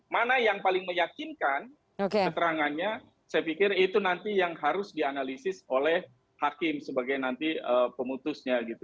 mana yang paling meyakinkan keterangannya saya pikir itu nanti yang harus dianalisis oleh hakim sebagai nanti pemutusnya gitu